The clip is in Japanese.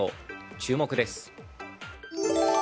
注目です。